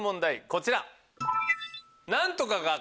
こちら。